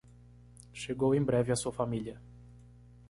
Chegou em breve a sua família